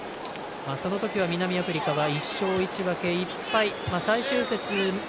そのときは南アフリカは１勝１分け１敗。